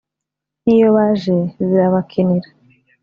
n’iyo baje zirabakinira